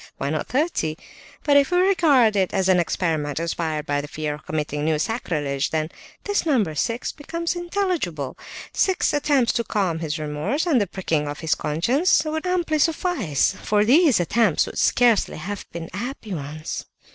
Why not thirty? But if we regard it as an experiment, inspired by the fear of committing new sacrilege, then this number six becomes intelligible. Six attempts to calm his remorse, and the pricking of his conscience, would amply suffice, for these attempts could scarcely have been happy ones.